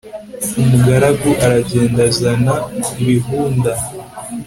Umugaragu aragenda azana ibihunda